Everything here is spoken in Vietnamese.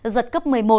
giật cấp một mươi một